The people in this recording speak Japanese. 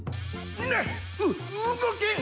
なっう動けん！